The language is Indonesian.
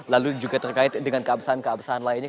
lalu juga terkait dengan keabsahan keabsahan lainnya